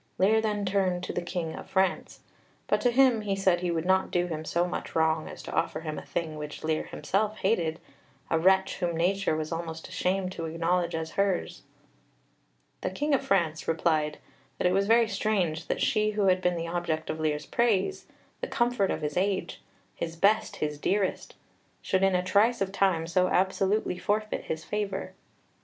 Lear then turned to the King of France, but to him he said he would not do him so much wrong as to offer him a thing which Lear himself hated a wretch whom nature was almost ashamed to acknowledge as hers. The King of France replied that it was very strange that she who had been the object of Lear's praise, the comfort of his age his best, his dearest should in a trice of time so absolutely forfeit his favour.